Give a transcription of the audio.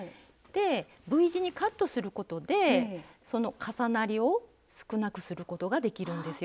Ｖ字にカットすることでその重なりを少なくすることができるんですよ。